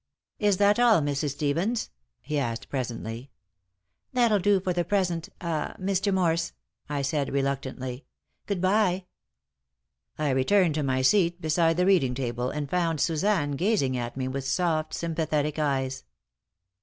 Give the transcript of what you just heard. "Is that all, Mrs. Stevens?" he asked, presently. "That'll do for the present ah Mr. Morse," I said, reluctantly. "Good bye!" I returned to my seat beside the reading table and found Suzanne gazing at me with soft, sympathetic eyes.